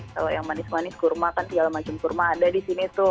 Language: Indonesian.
kalau yang manis manis kurma kan segala macam kurma ada di sini tuh